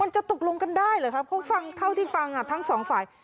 จะตกลงกันได้หรือครับเพราะฟังเท่าที่ฟังทั้งสองฝ่าย